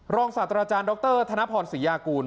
รองศาสตราจารย์ดรธนพศิยากูล